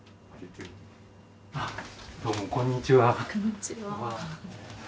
あっどうもこんにちは。